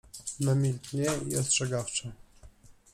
namiętnie i ostrzegawczo.